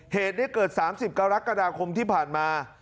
เหตุได้เกิด๓๐กรกฎาคมที่ผ่านมา